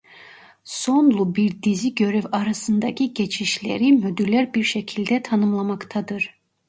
Sonlu bir dizi görev arasındaki geçişleri modüler bir şekilde tanımlamaktadır.